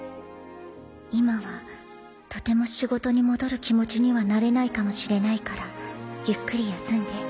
「今はとても仕事に戻る気持ちにはなれないかもしれないからゆっくり休んで。